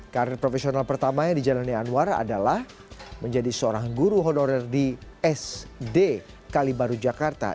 karir profesional pertama yang dijalani anwar adalah menjadi seorang guru honorer di sd kali baru jakarta